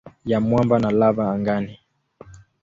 ya mwamba na lava angani.